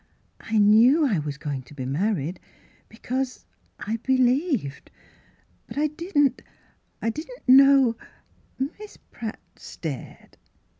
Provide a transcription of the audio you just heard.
I knew I was going to be married because I — I he lieved. But I didn't — I didn't know —" Miss Pratt stared.